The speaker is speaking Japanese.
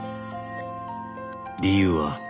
「理由は」